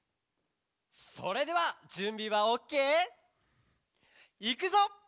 それではじゅんびはオッケー？いくぞ！